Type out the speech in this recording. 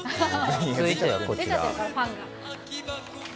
続いてはこちら。